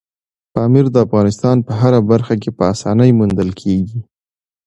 پامیر د افغانستان په هره برخه کې په اسانۍ موندل کېږي.